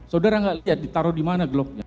saudara tidak melihat ditaruh di mana glocknya